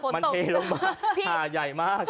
มันเทลงมาผ่าใหญ่มาก